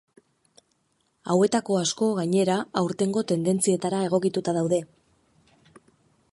Hauetako asko gainera aurtengo tendentzietara egokituta daude.